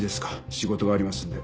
仕事がありますので。